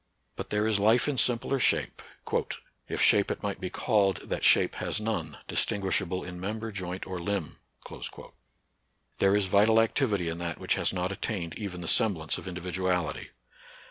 But there is life in simpler shape, " If shape it might be called that shape has none, Distinguishable in member, joint, or limb," there is vital activity in that which has not attained even the semblance of individuality.